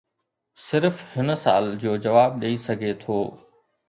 صرف هن سوال جو جواب ڏئي سگهي ٿو.